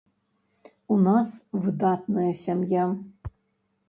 У нас выдатная сям'я.